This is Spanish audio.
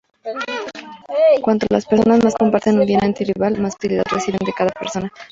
Cuanto las personas más comparten un bien anti-rival, más utilidad recibe cada persona.